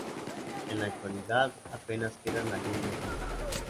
En la actualidad apenas quedan algunos restos.